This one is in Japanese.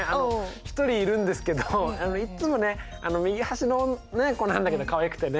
１人いるんですけどいっつもね右端の子なんだけどかわいくてね。